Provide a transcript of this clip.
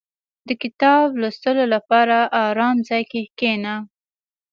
• د کتاب لوستلو لپاره آرام ځای کې کښېنه.